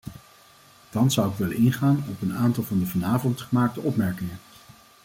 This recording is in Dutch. Thans zou ik willen ingaan op een aantal van de vanavond gemaakte opmerkingen.